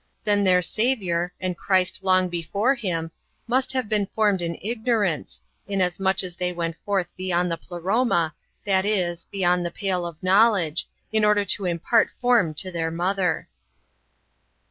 131 then their Saviour, and Christ long before Him, must have been formed in ignorance, inasmuch as they went forth be yond the Pleroma, that is, beyond the pale of knowledge, in order to impart form to their Mother.